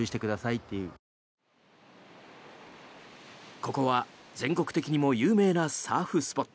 ここは全国的にも有名なサーフスポット。